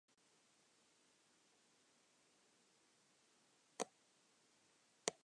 However, it can also be used as a defense for misleading or deceptive advertising.